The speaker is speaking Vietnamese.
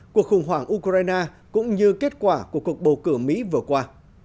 cuộc khủng hoảng ukraine cũng như kết quả của cuộc bầu cử mỹ vừa qua